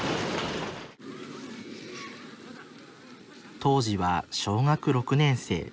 当時は小学６年生。